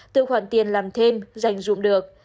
từ khoản tiền làm thêm dành dụng được